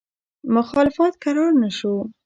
مخالفت کرار نه شو.